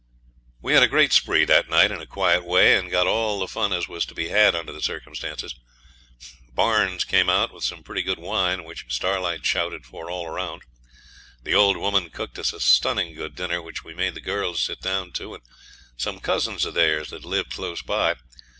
We had a great spree that night in a quiet way, and got all the fun as was to be had under the circumstances. Barnes came out with some pretty good wine which Starlight shouted for all round. The old woman cooked us a stunning good dinner, which we made the girls sit down to and some cousins of theirs that lived close by.